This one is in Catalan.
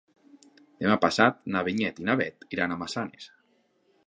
Demà passat na Vinyet i na Bet iran a Massanes.